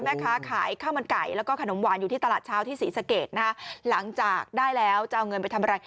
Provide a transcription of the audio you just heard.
แม่ค้าขายข้าวมันไก่แล้วก็ขนมหวานอยู่ที่ตลาดเช้าที่ศรีสะเกดนะฮะหลังจากได้แล้วจะเอาเงินไปทำอะไร